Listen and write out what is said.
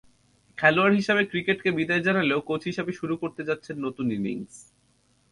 খেলোয়াড় হিসেবে ক্রিকেটকে বিদায় জানালেও কোচ হিসেবে শুরু করতে যাচ্ছেন নতুন ইনিংস।